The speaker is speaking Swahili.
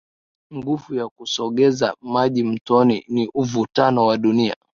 Nguvu ya kusogeza maji mtoni ni uvutano wa dunia